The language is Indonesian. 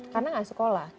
karena nggak sekolah